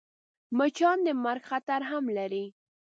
مچان د مرګ خطر هم لري